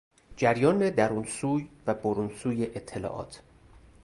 جریان درون سوی و برون سوی اطلاعات